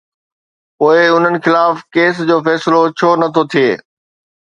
پوءِ انهن خلاف ڪيسن جو فيصلو ڇو نه ٿو ٿئي؟